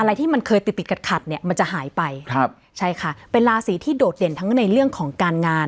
อะไรที่มันเคยติดติดขัดขัดเนี่ยมันจะหายไปครับใช่ค่ะเป็นราศีที่โดดเด่นทั้งในเรื่องของการงาน